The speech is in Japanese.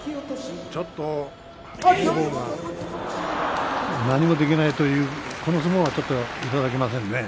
ちょっと王鵬が何もできないというかこの相撲はいただけませんね。